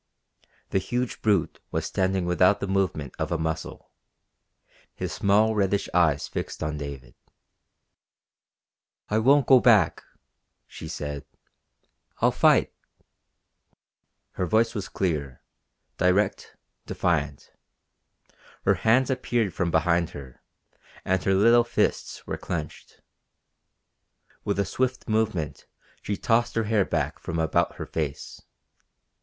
The huge brute was standing without the movement of a muscle, his small reddish eyes fixed on David. "I won't go back!" she said. "I'll fight!" Her voice was clear, direct, defiant. Her hands appeared from behind her, and her little fists were clenched. With a swift movement she tossed her hair back from about her face.